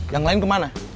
yang lain kemana